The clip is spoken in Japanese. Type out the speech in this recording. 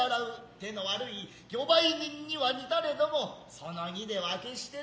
手の悪い魚売人には似たれども其の儀では決してない。